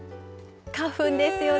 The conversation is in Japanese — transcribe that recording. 花粉ですよね。